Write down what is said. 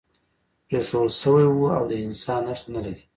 پرېښوول شوی و او د انسان نښه نه لګېده.